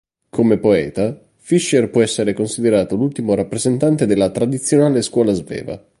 Come poeta, Fischer può essere considerato l'ultimo rappresentante della tradizionale scuola sveva.